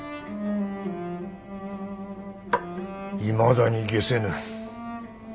いまだにげせぬ。